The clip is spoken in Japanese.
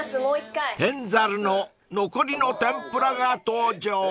［天ざるの残りの天ぷらが登場］